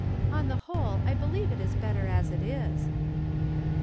On the whole, I believe it is better as ifc is."